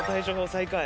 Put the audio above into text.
最下位。